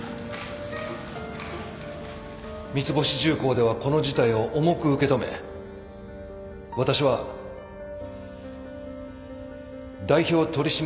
三ツ星重工ではこの事態を重く受け止め私は代表取締役を辞任いたします。